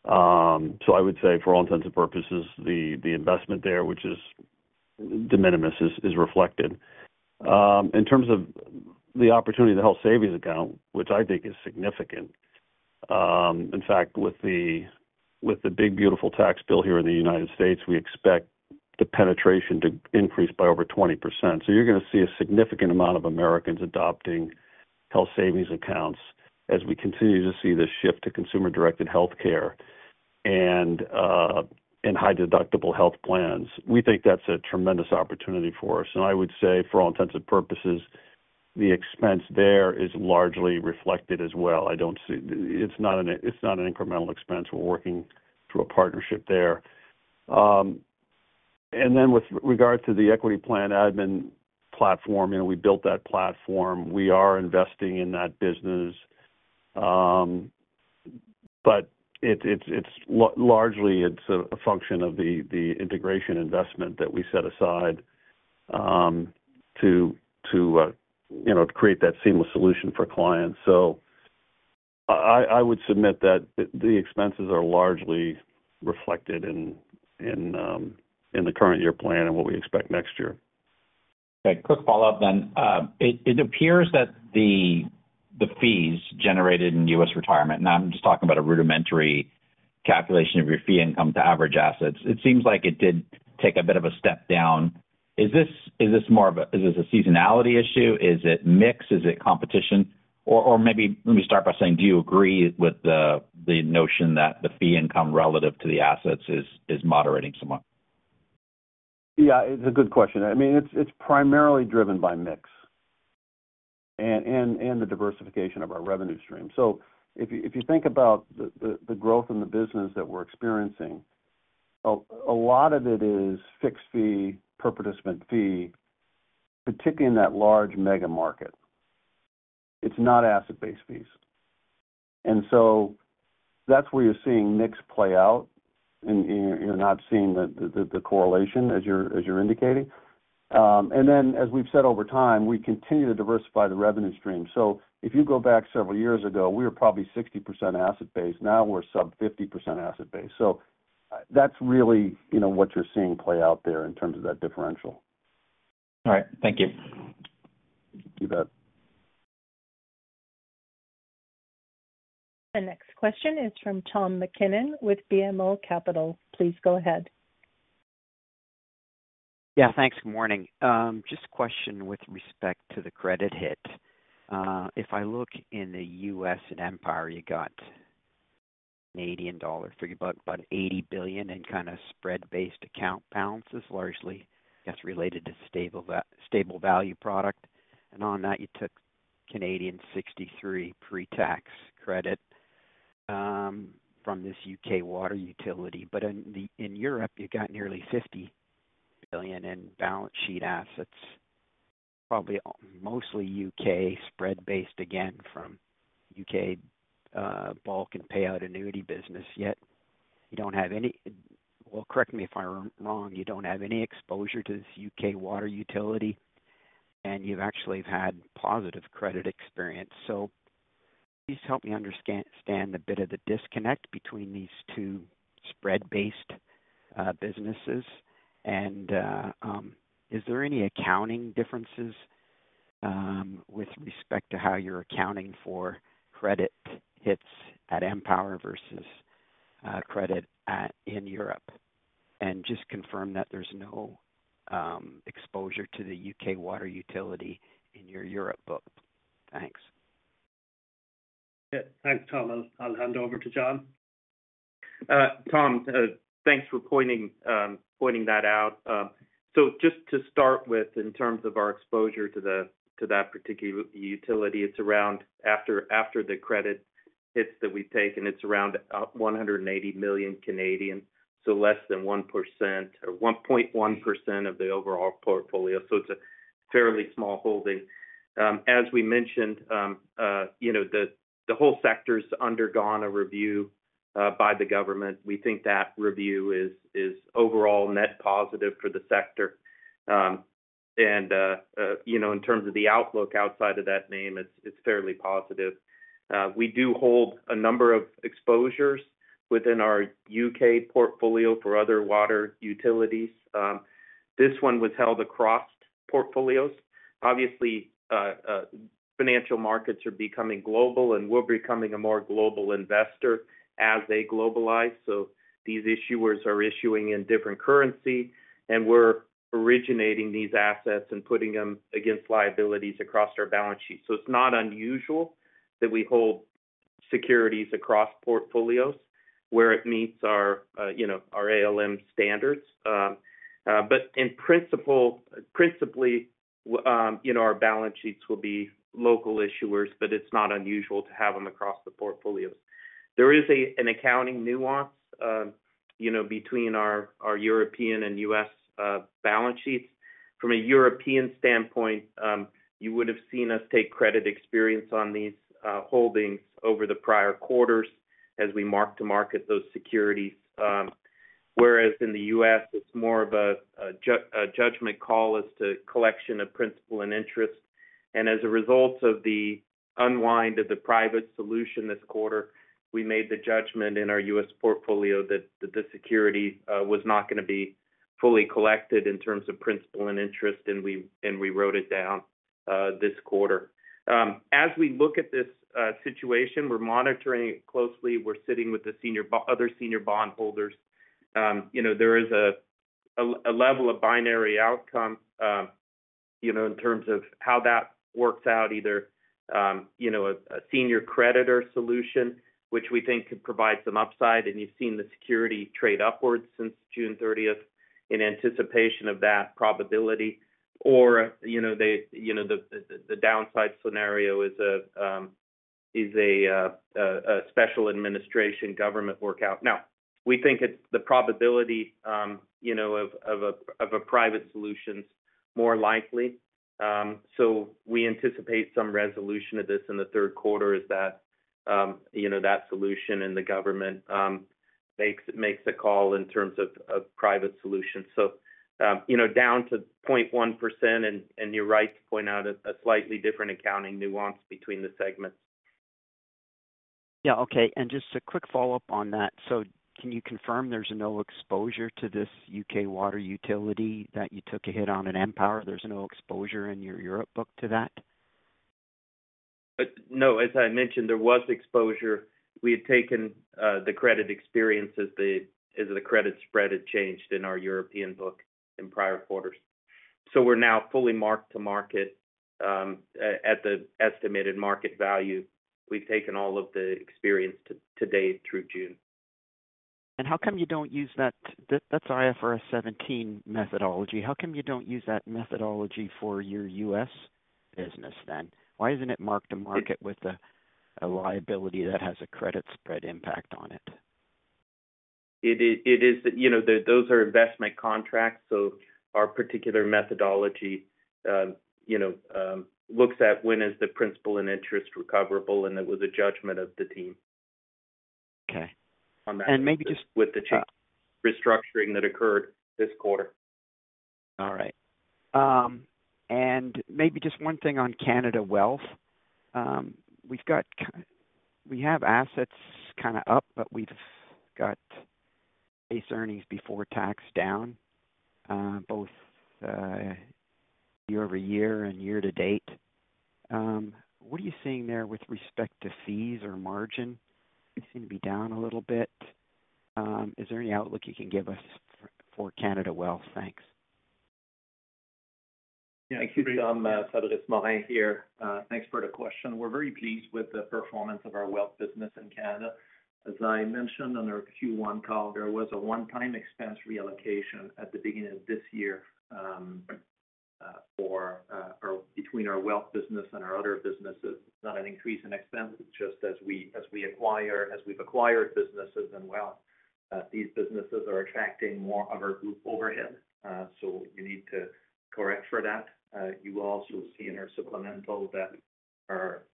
I would say for all intents and purposes, the investment there, which is de minimis, is reflected. In terms of the opportunity to help save his account, which I think is significant. In fact, with the big beautiful tax bill here in the United States., we expect the penetration to increase by over 20%. You're going to see a significant amount of Americans adopting health savings accounts as we continue to see this shift to consumer-directed healthcare and high-deductible health plans. We think that's a tremendous opportunity for us. I would say for all intents and purposes, the expense there is largely reflected as well. I don't see, it's not an incremental expense. We're working through a partnership there. With regard to the Equity Plan Admin platform, we built that platform. We are investing in that business. It's largely a function of the integration investment that we set aside to create that seamless solution for clients. I would submit that the expenses are largely reflected in the current year plan and what we expect next year. Okay, quick follow-up then. It appears that the fees generated in U.S. retirement, and I'm just talking about a rudimentary calculation of your fee income to average assets, it seems like it did take a bit of a step down. Is this more of a, is this a seasonality issue? Is it mix? Is it competition? Or maybe let me start by saying, do you agree with the notion that the fee income relative to the assets is moderating somewhat? Yeah, it's a good question. I mean, it's primarily driven by mix and the diversification of our revenue stream. If you think about the growth in the business that we're experiencing, a lot of it is fixed fee per participant fee, particularly in that large mega market. It's not asset-based fees. That's where you're seeing mix play out, and you're not seeing the correlation as you're indicating. As we've said over time, we continue to diversify the revenue stream. If you go back several years ago, we were probably 60% asset-based. Now we're sub 50% asset-based. That's really what you're seeing play out there in terms of that differential. All right. Thank you. The next question is from Tom MacKinnon with BMO Capital. Please go ahead. Yeah, thanks. Good morning. Just a question with respect to the credit hit. If I look in the U.S. and Empower, you got Canadian dollar for about $80 billion in kind of spread-based account balances, largely, I guess, related to stable value product. On that, you took 63 million pre-tax credit from this U.K. water utility. In Europe, you got nearly $50 billion in balance sheet assets, probably mostly U.K. spread-based again from U.K. bulk and payout annuity business. Yet you don't have any, correct me if I'm wrong, you don't have any exposure to this U.K. water utility, and you've actually had positive credit experience. Please help me understand the bit of the disconnect between these two spread-based businesses. Is there any accounting differences with respect to how you're accounting for credit hits at Empower versus credit in Europe? Just confirm that there's no exposure to the U.K. water utility in your Europe book. Thanks. Thanks, Tom. I'll hand over to Jon. Tom, thanks for pointing that out. Just to start with, in terms of our exposure to that particular utility, it's around, after the credit hits that we've taken, it's around 180 million. Less than 1% or 1.1% of the overall portfolio. It's a fairly small holding. As we mentioned, the whole sector's undergone a review by the government. We think that review is overall net positive for the sector. In terms of the outlook outside of that name, it's fairly positive. We do hold a number of exposures within our U.K. portfolio for other water utilities. This one was held across portfolios. Obviously, financial markets are becoming global, and we're becoming a more global investor as they globalize. These issuers are issuing in different currency, and we're originating these assets and putting them against liabilities across our balance sheet. It's not unusual that we hold securities across portfolios where it meets our ALM standards. In principle, our balance sheets will be local issuers, but it's not unusual to have them across the portfolios. There is an accounting nuance between our European and U.S. balance sheets. From a European standpoint, you would have seen us take credit experience on these holdings over the prior quarters as we mark to market those securities. In the U.S., it's more of a judgment call as to collection of principal and interest. As a result of the unwind of the private solution this quarter, we made the judgment in our U.S. portfolio that the security was not going to be fully collected in terms of principal and interest, and we wrote it down this quarter. As we look at this situation, we're monitoring it closely. We're sitting with the other senior bondholders. There is a level of binary outcome in terms of how that works out, either a senior creditor solution, which we think could provide some upside. You've seen the security trade upwards since June 30TH in anticipation of that probability. The downside scenario is a special administration government workout. We think the probability of a private solution is more likely. We anticipate some resolution of this in the third quarter if that solution and the government makes a call in terms of private solutions. Down to 0.1%, and you're right to point out a slightly different accounting nuance between the segments. Okay. Just a quick follow-up on that. Can you confirm there's no exposure to this U.K. water utility that you took a hit on at Empower? There's no exposure in your Europe book to that? No, as I mentioned, there was exposure. We had taken the credit experience as the credit spread had changed in our European book in prior quarters. We are now fully marked to market at the estimated market value. We've taken all of the experience to date through June. How come you don't use that? That's our IFRS 17 methodology. How come you don't use that methodology for your U.S. business then? Why isn't it marked to market with a liability that has a credit spread impact on it? Those are investment contracts. Our particular methodology looks at when the principal and interest are recoverable, and it was a judgment of the team with the restructuring that occurred this quarter. All right. Maybe just one thing on Canada Wealth. We have assets kind of up, but we've got base earnings before tax down, both year over year and year to date. What are you seeing there with respect to fees or margin? They seem to be down a little bit. Is there any outlook you can give us for Canada Wealth? Thanks? Thank you, Tom. Fabrice Morin here. Thanks for the question. We're very pleased with the performance of our wealth business in Canada. As I mentioned on our Q1 call, there was a one-time expense reallocation at the beginning of this year between our wealth business and our other businesses. It's not an increase in expense. It's just as we acquire, as we've acquired businesses in wealth, these businesses are attracting more of our group overhead. We need to correct for that. You will also see in our supplemental that our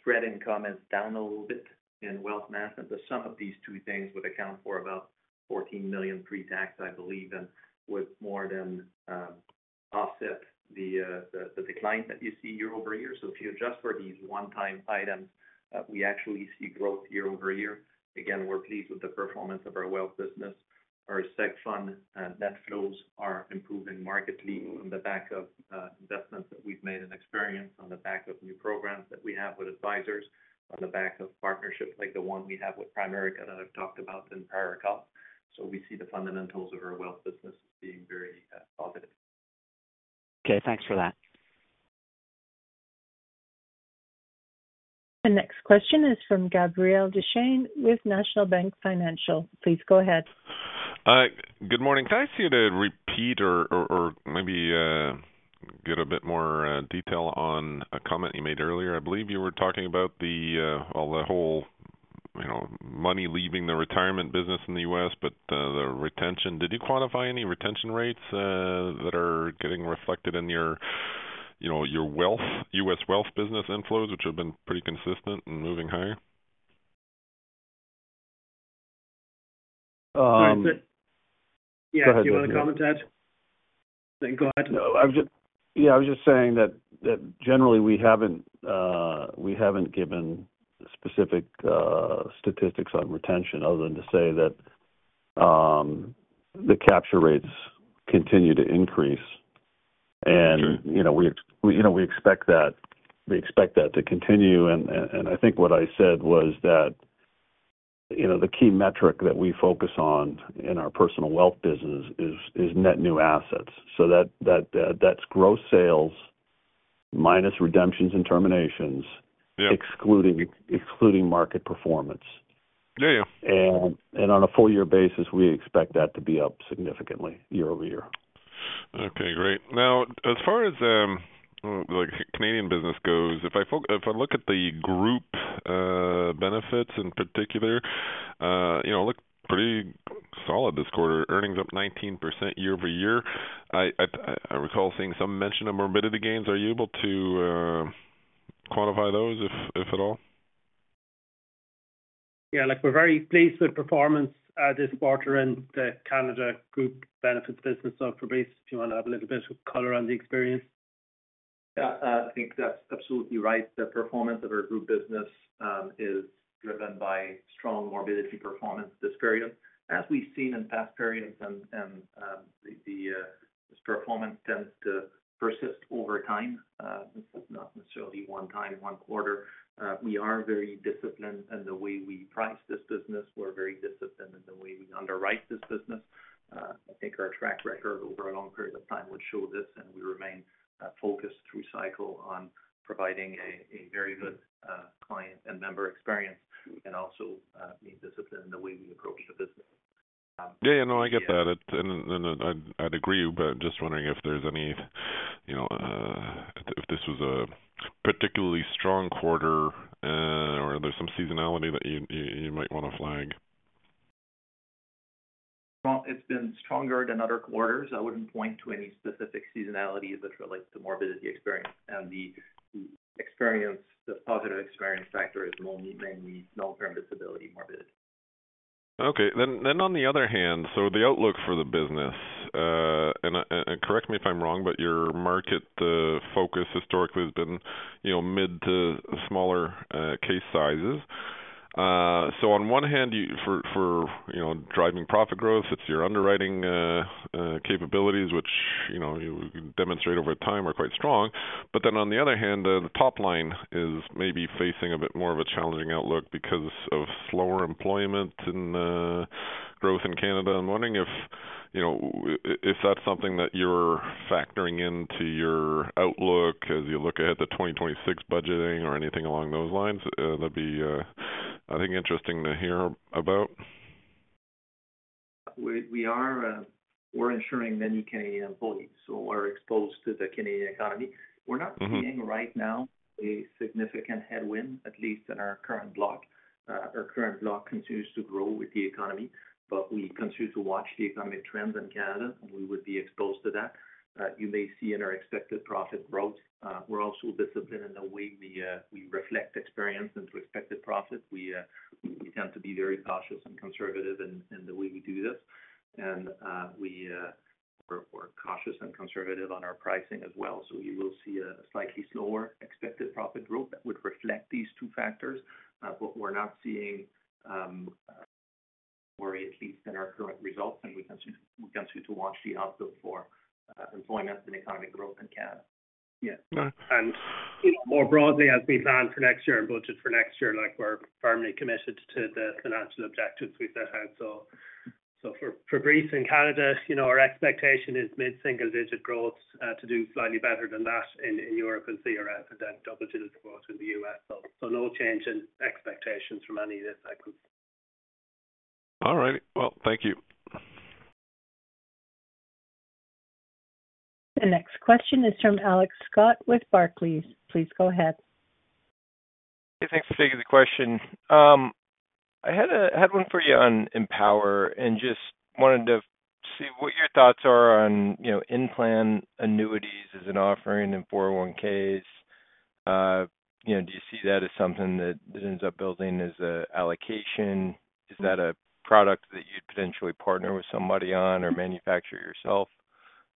spread income is down a little bit in wealth management. The sum of these two things would account for about $14 million pre-tax, I believe, and would more than offset the decline that you see year over year. If you adjust for these one-time items, we actually see growth year over year. We're pleased with the performance of our wealth business. Our section net flows are improving markedly on the back of investments that we've made in experience, on the back of new programs that we have with advisors, on the back of partnerships like the one we have with Primaric that I've talked about in prior calls. We see the fundamentals of our wealth business being very positive. Okay, thanks for that. The next question is from Gabriel Dechaine with National Bank Financial. Please go ahead. Good morning. Thanks. To repeat or maybe get a bit more detail on a comment you made earlier, I believe you were talking about the money leaving the retirement business in the U.S., but the retention. Did you quantify any retention rates that are getting reflected in your U.S. wealth business inflows, which have been pretty consistent and moving higher? Yeah. so you want to comment, Ed? Go ahead. I was just saying that generally we haven't given specific statistics on retention other than to say that the capture rates continue to increase. You know, we expect that to continue. I think what I said was that the key metric that we focus on in our personal wealth business is net new assets. That's gross sales minus redemptions and terminations, excluding market performance. On a full-year basis, we expect that to be up significantly year over year. Okay, great. Now, as far as the Canadian business goes, if I look at the group benefits in particular, you know, it looked pretty solid this quarter. Earnings up 19% year-over-year. I recall seeing some mention of morbidity gains. Are you able to quantify those, if at all? Yeah, look, we're very pleased with performance this quarter in the Canada group benefits business. Fabrice, if you want to have a little bit of color on the experience, yeah. I think that's absolutely right. The performance of our group business is driven by strong morbidity performance this period. As we've seen in past periods, this performance tends to persist over time. This is not necessarily one time in one quarter. We are very disciplined in the way we price this business. We're very disciplined in the way we underwrite this business. I think our track record over a long period of time would show this, and we remain focused through cycle on providing a very good client and member experience and also being disciplined in the way we approach the business. Yeah, I get that. I'd agree with you, but I'm just wondering if there's any, you know, if this was a particularly strong quarter or there's some seasonality that you might want to flag. It's been stronger than other quarters. I wouldn't point to any specific seasonality that relates to morbidity experience. The experience, the positive experience factor, is low, meaning no apparent disability morbidity. Okay. On the other hand, the outlook for the business, and correct me if I'm wrong, but your market focus historically has been, you know, mid to smaller case sizes. On one hand, for driving profit growth, it's your underwriting capabilities, which you demonstrate over time are quite strong. The top line is maybe facing a bit more of a challenging outlook because of slower employment and growth in Canada. I'm wondering if that's something that you're factoring into your outlook as you look ahead to 2026 budgeting or anything along those lines. That'd be, I think, interesting to hear about. We're insuring many Canadian employees, so we're exposed to the Canadian economy. We're not seeing right now a significant headwind, at least in our current block. Our current block continues to grow with the economy. We continue to watch the economic trends in Canada, and we would be exposed to that. You may see in our expected profit growth. We're also disciplined in the way we reflect experience into expected profit. We tend to be very cautious and conservative in the way we do this. We're cautious and conservative on our pricing as well. You will see a slightly slower expected profit growth that would reflect these two factors, but we're not seeing worry, at least in our current results. We continue to watch the outlook for employment and economic growth in Canada. More broadly, as we plan for next year and budget for next year, we're firmly committed to the financial objectives we set out. For base earnings in Canada, our expectation is mid-single-digit growth, to do slightly better than that in Europe, and see double-digit growth in the U.S. No change in expectations from any of these cycles. All right. Thank you. The next question is from Alex Scott with Barclays. Please go ahead. Hey, thanks for taking the question. I had one for you on Empower and just wanted to see what your thoughts are on, you know, in-plan annuities as an offering in 401(k)s. Do you see that as something that ends up building as an allocation? Is that a product that you'd potentially partner with somebody on or manufacture yourself?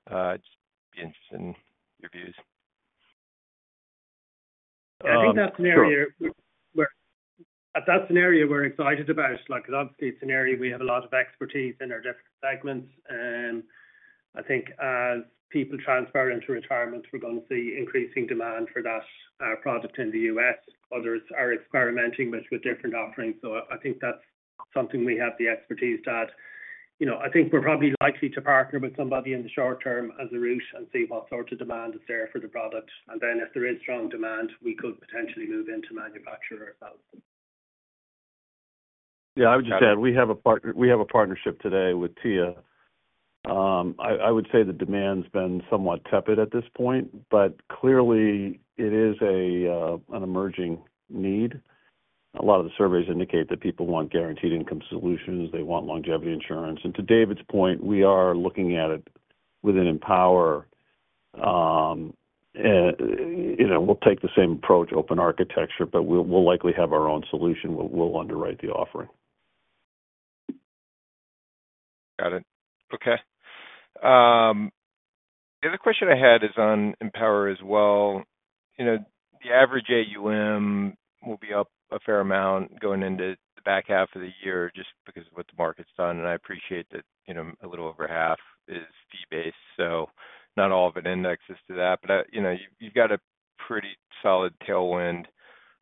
I'd just be interested in your views. Yeah, I think that scenario, we're excited about it. That's the scenario we have a lot of expertise in our different segments. I think as people transfer into retirement, we're going to see increasing demand for that product in the U.S. Others are experimenting with different offerings. I think that's something we have the expertise at. I think we're probably likely to partner with somebody in the short term as a route and see what sort of demand is there for the product. If there is strong demand, we could potentially move into manufacturer of them. Yeah, I would just add we have a partnership today with TIA. I would say the demand's been somewhat tepid at this point, but clearly it is an emerging need. A lot of the surveys indicate that people want guaranteed income solutions. They want longevity insurance. To David's point, we are looking at it within Empower. We'll take the same approach, open architecture, but we'll likely have our own solution. We'll underwrite the offering. Got it. Okay. The other question I had is on Empower as well. You know, the average AUM will be up a fair amount going into the back half of the year just because of what the market's done. I appreciate that a little over half is fee-based. Not all of it indexes to that, but you've got a pretty solid tailwind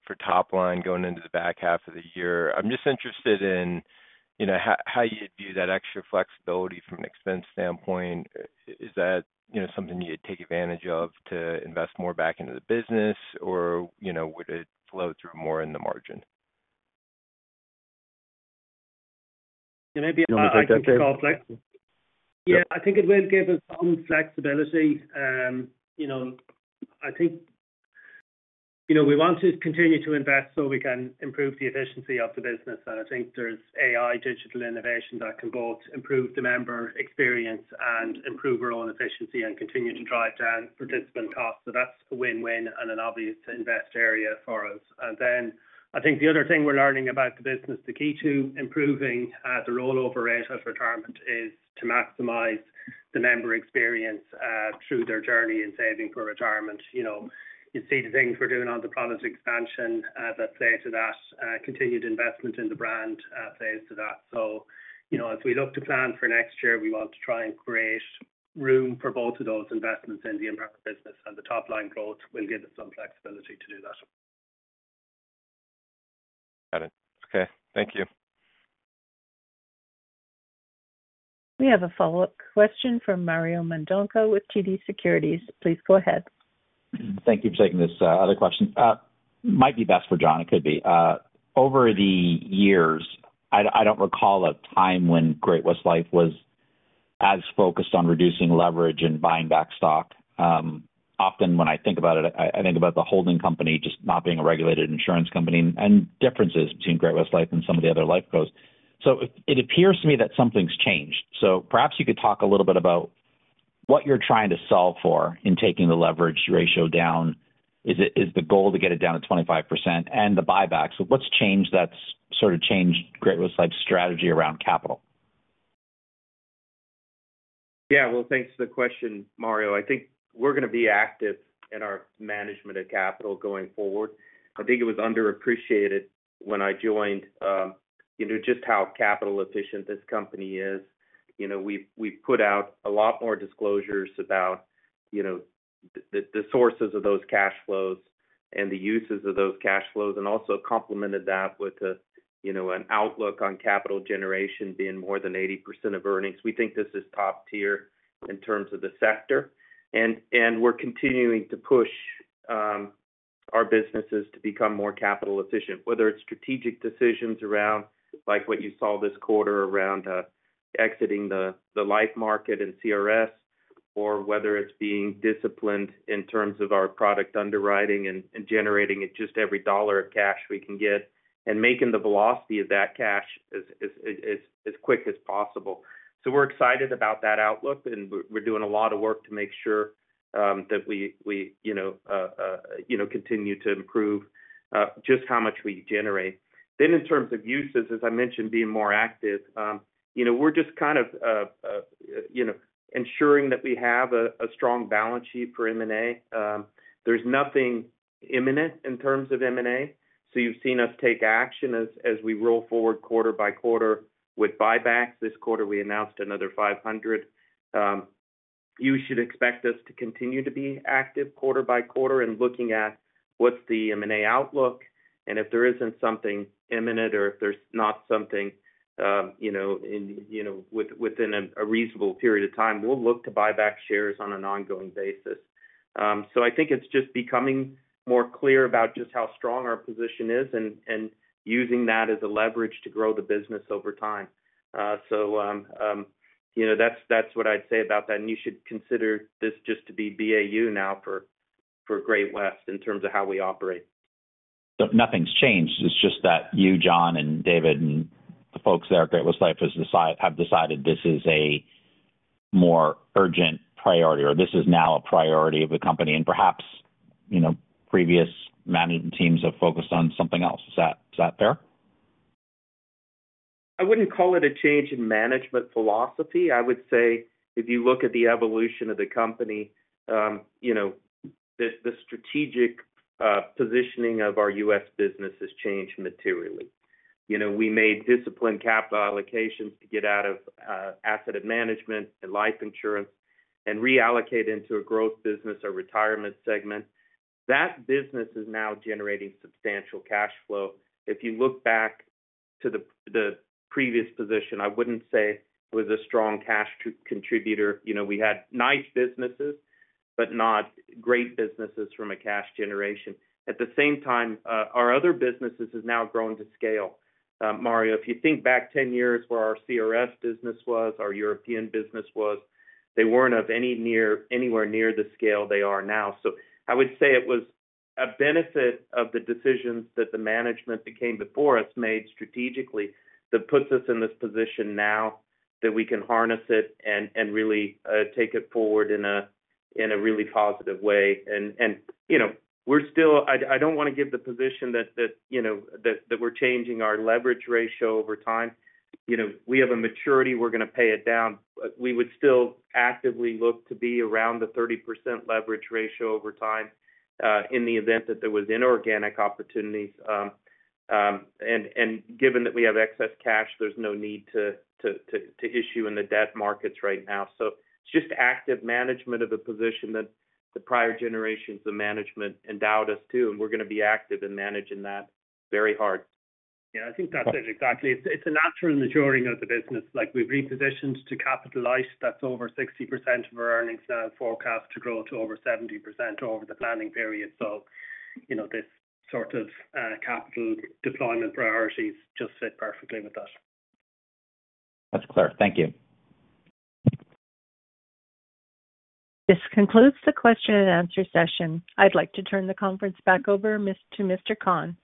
for top line going into the back half of the year. I'm just interested in how you'd view that extra flexibility from an expense standpoint. Is that something you'd take advantage of to invest more back into the business, or would it flow through more in the margin? Do you want to take that, David? I think it will give us some flexibility. I think we want to continue to invest so we can improve the efficiency of the business. I think there's AI, digital innovation that can both improve the member experience and improve our own efficiency and continue to drive down participant costs. That's a win-win and an obvious invest area for us. I think the other thing we're learning about the business, the key to improving the rollover rate of retirement is to maximize the member experience through their journey in saving for retirement. You see the things we're doing on the product expansion that play to that, continued investment in the brand that plays to that. As we look to plan for next year, we want to try and create room for both of those investments in the Empower business. The top line growth will give us some flexibility to do that. Got it. Okay. Thank you. We have a follow-up question from Mario Mendonca with TD Securities. Please go ahead. Thank you for taking this other question. Might be best for Jon. It could be. Over the years, I don't recall a time when Great-West Lifeco was as focused on reducing leverage and buying back stock. Often, when I think about it, I think about the holding company just not being a regulated insurance company and differences between Great-West Lifeco and some of the other life growth. It appears to me that something's changed. Perhaps you could talk a little bit about what you're trying to solve for in taking the leverage ratio down. Is it the goal to get it down to 25% and the buybacks? What's changed that's sort of changed Great-West's strategy around capital? Thank you for the question, Mario. I think we're going to be active in our management of capital going forward. I think it was underappreciated when I joined just how capital-efficient this company is. We've put out a lot more disclosures about the sources of those cash flows and the uses of those cash flows and also complemented that with an outlook on capital generation being more than 80% of earnings. We think this is top tier in terms of the sector. We're continuing to push our businesses to become more capital-efficient, whether it's strategic decisions around what you saw this quarter around exiting the life market and CRS, or being disciplined in terms of our product underwriting and generating just every dollar of cash we can get and making the velocity of that cash as quick as possible. We're excited about that outlook and we're doing a lot of work to make sure that we continue to improve just how much we generate. In terms of uses, as I mentioned, being more active, we're just ensuring that we have a strong balance sheet for M&A. There's nothing imminent in terms of M&A. You've seen us take action as we roll forward quarter by quarter with buybacks. This quarter, we announced another $500 million. You should expect us to continue to be active quarter by quarter and looking at what's the M&A outlook. If there isn't something imminent or if there's not something within a reasonable period of time, we'll look to buy back shares on an ongoing basis. I think it's just becoming more clear about just how strong our position is and using that as leverage to grow the business over time. That's what I'd say about that. You should consider this just to be BAU now for Great-West in terms of how we operate. Nothing's changed. It's just that you, Jon, and David, and the folks at Great-West Lifeco have decided this is a more urgent priority or this is now a priority of the company. Perhaps, you know, previous management teams have focused on something else. Is that fair? I wouldn't call it a change in management philosophy. I would say if you look at the evolution of the company, you know, the strategic positioning of our U.S. business has changed materially. You know, we made disciplined capital allocations to get out of asset management and life insurance and reallocate into a growth business, a retirement segment. That business is now generating substantial cash flow. If you look back to the previous position, I wouldn't say it was a strong cash contributor. You know, we had nice businesses, but not great businesses from a cash generation. At the same time, our other businesses have now grown to scale. Mario, if you think back 10 years where our CRS business was, our European business was, they weren't of anywhere near the scale they are now. I would say it was a benefit of the decision that the management that came before us made strategically that puts us in this position now that we can harness it and really take it forward in a really positive way. You know, we're still, I don't want to give the position that, you know, that we're changing our leverage ratio over time. We have a maturity, we're going to pay it down. We would still actively look to be around the 30% leverage ratio over time in the event that there were inorganic opportunities. Given that we have excess cash, there's no need to issue in the debt markets right now. It's just active management of a position that the prior generations of management endowed us to, and we're going to be active in managing that very hard. Yeah, I think that's it exactly. It's a natural maturing of the business. Like we've repositioned to capitalize. That's over 60% of our earnings now, forecast to grow to over 70% over the planning period. This sort of capital deployment priorities just fit perfectly with us. That's clear. Thank you. This concludes the question-and-answer session. I'd like to turn the conference back over to Mr. Khan.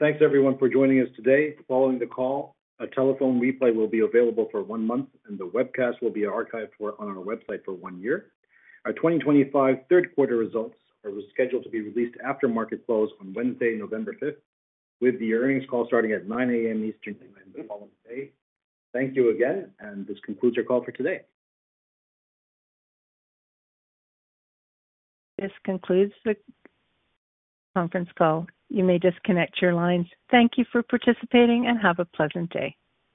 Thanks, everyone, for joining us today. Following the call, a telephone replay will be available for the month. and the webcast will be archived on our website for one year. Our 2025 third quarter results are scheduled to be released after market close on Wednesday, November 5th, with the earnings call starting at 9:00 A.M. Eastern Time on the following day. Thank you again, and this concludes your call for today. This concludes the conference call. You may disconnect your lines. Thank you for participating and have a pleasant day.